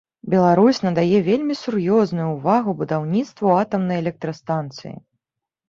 Беларусь надае вельмі сур'ёзную ўвагу будаўніцтву атамнай электрастанцыі.